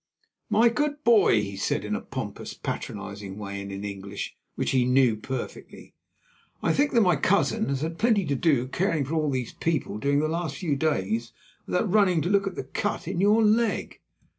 "My good boy," he said in a pompous, patronising way and in English, which he knew perfectly, "I think that my cousin has had plenty to do caring for all these people during the last few days without running to look at the cut in your leg.